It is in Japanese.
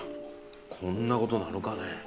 こんなことなるかね？